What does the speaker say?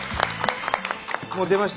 もう出ました。